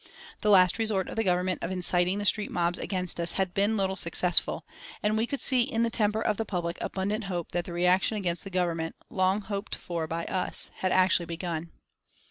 The last resort of the Government of inciting the street mobs against us had been little successful, and we could see in the temper of the public abundant hope that the reaction against the Government, long hoped for by us, had actually begun.